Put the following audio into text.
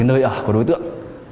nơi ở của đối tượng